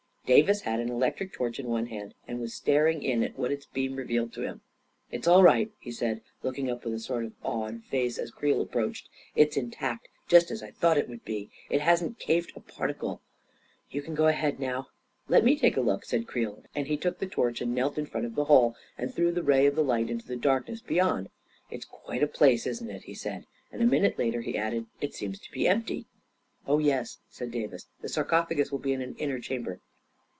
Davis had an electric torch in one hand, and was staring in at what its beam revealed to him. u It's all right," he said, looking up with a sort of awed face, as Creel approached. " It's intact, just as I thought it would be. It hasn't caved a par ticle. You can go ahead now." " Let me take a look," said Creel, and he took the torch and knelt in front of the hole, and threw the ray of light into the darkness beyond. " It's quite a place, isn't it ?" he said ; and a minute later he added, " It seems to be empty." " Oh, yes," said Davis; " the sarcophagus will be in an inner chamber."